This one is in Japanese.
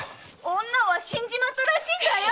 ⁉女は死んじまったらしいんだよ！